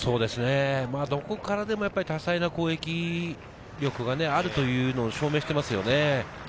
どこからでも多彩な攻撃力があるというのを証明していますよね。